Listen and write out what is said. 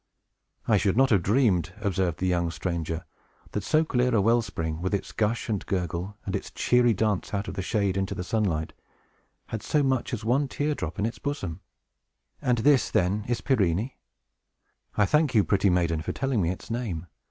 "I should not have dreamed," observed the young stranger, "that so clear a well spring, with its gush and gurgle, and its cheery dance out of the shade into the sunlight, had so much as one tear drop in its bosom! And this, then, is Pirene? I thank you, pretty maiden, for telling me its name.